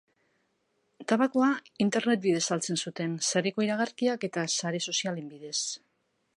Tabakoa internet bidez saltzen zuten, sareko iragarkiak eta sare sozialen bidez.